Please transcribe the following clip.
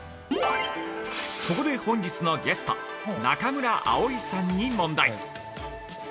ここで本日のゲスト中村蒼さんに問題。